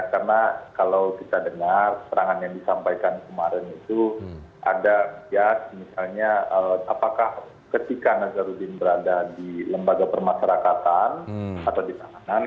karena kalau kita dengar serangan yang disampaikan kemarin itu ada bias misalnya apakah ketika nazarudin berada di lembaga permasyarakatan atau di tamanan